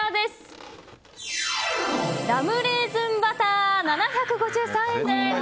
ラムレーズンバター７５３円です。